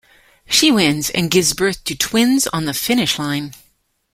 She wins, and gives birth to twins on the finish line.